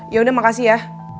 yaudah makasih ya